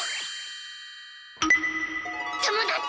友達！